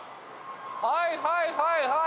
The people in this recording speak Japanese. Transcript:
はいはいはいはい。